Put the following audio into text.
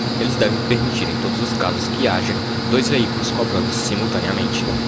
Eles devem permitir em todos os casos que haja dois veículos cobrando simultaneamente.